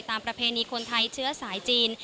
ประเพณีคนไทยเชื้อสายจีน